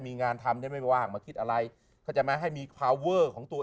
มีงานทำได้ไม่ว่ามาคิดอะไรเขาจะมาให้มีความเวอร์ของตัว